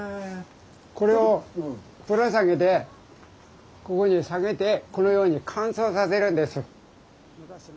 これをぶら下げてここに下げてこのように乾燥させるんです。